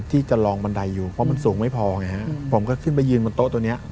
ที่จะลองบันไดอยู่เพราะมันสูงไม่พอไงฮะผมก็ขึ้นไปยืนบนโต๊ะตัวเนี้ย